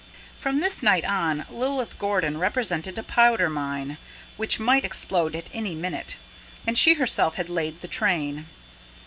From this night on, Lilith Gordon represented a powder mine, which might explode at any minute. And she herself had laid the train!